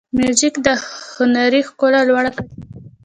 موزیک د هنري ښکلا لوړه کچه ده.